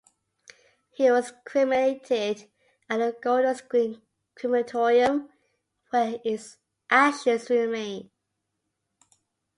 He was cremated at the Golders Green Crematorium, where his ashes remain.